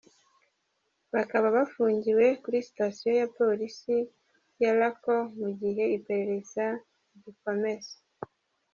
Bakaba bafungiwe kuri sitasiyo ya polisi ya Lacor mu gihe iperereza rigikomeza.